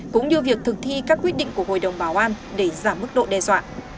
cũng như việc thực thi các quyết định của hội đồng bảo an để giảm mức độ đe dọa